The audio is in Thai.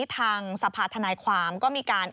ทางสภาธนายความก็มีการ